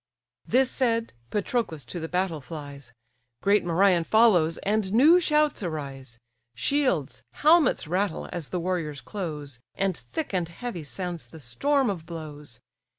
This said, Patroclus to the battle flies; Great Merion follows, and new shouts arise: Shields, helmets rattle, as the warriors close; And thick and heavy sounds the storm of blows.